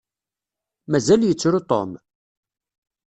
Mazal yettru Tom?